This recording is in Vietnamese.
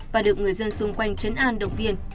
và được người dân xung quanh chấn an động viên